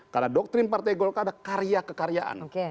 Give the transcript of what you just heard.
karena doktrin partai golkar ada karya kekaryaan